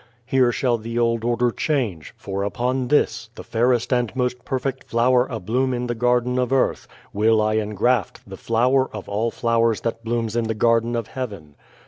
Here shall the old order change, for upon this, the fairest and most perfect flower abloom in the garden of earth, will I engraft the Flower of all flowers that blooms in the garden of heaven.